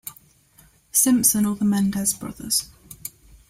Simpson or the Menendez Brothers.